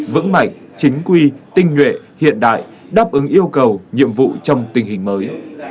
vững mạnh chính quy tinh nhuệ hiện đại đáp ứng yêu cầu nhiệm vụ trong tình hình mới